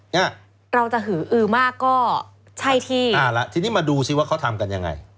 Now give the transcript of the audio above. เนี้ยเราจะหืออือมากก็ใช่ที่อ่าละทีนี้มาดูสิว่าเขาทำกันยังไง